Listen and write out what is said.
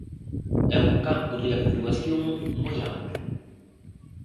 É un campo de actuación moi amplo.